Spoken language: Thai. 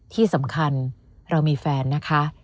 ที่สำคัญเรามีแฟนนะคะ